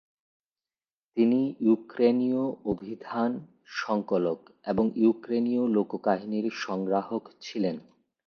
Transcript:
তিনি ইউক্রেনীয় অভিধান সংকলক এবং উইক্রেনীয় লোককাহিনীর সংগ্রাহক ছিলেন।